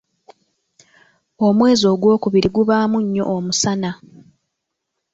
Omwezi ogwokubiri gubaamu nnyo omusana.